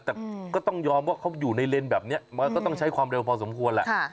แต่ก็ต้องยอมว่าเขาอยู่ในเลนส์แบบนี้มันก็ต้องใช้ความเร็วพอสมควรแหละ